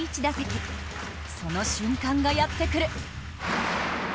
その瞬間がやってくる。